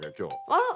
あっ！